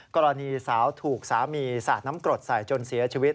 กรณีสาวถูกสามีสาดน้ำกรดใส่จนเสียชีวิต